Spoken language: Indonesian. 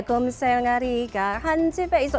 kumsel ngarika hansepe